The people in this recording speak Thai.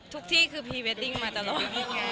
ทุกที่มาตลอด